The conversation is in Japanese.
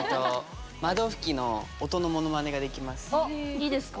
いいですか？